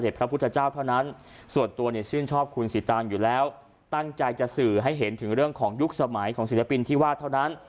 ฉันก็ตั้งใจจะสื่อให้เห็นเรื่องของยุคสมัยของศิลปินที่ว่าเท่านั้น